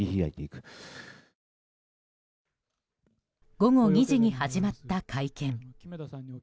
午後２時に始まった会見。